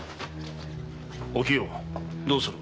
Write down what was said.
お清どうする？